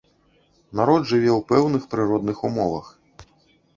Народ жыве ў пэўных прыродных умовах.